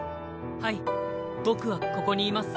はい僕はここにいます。